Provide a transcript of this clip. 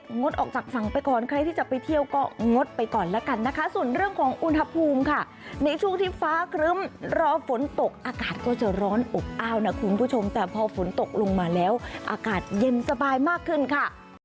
งดออกจากฝั่งไปก่อนใครที่จะไปเที่ยวก็งดไปก่อนแล้วกันนะคะส่วนเรื่องของอุณหภูมิค่ะในช่วงที่ฟ้าครึ้มรอฝนตกอากาศก็จะร้อนอบอ้าวนะคุณผู้ชมแต่พอฝนตกลงมาแล้วอากาศเย็นสบายมากขึ้นค่ะ